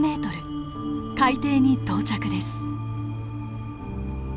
海底に到着です。